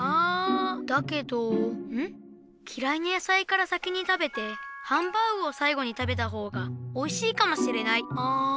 だけどきらいなやさいから先に食べてハンバーグをさいごに食べた方がおいしいかもしれない。